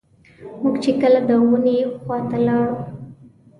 موږ چې کله د ونې خواته لاړو.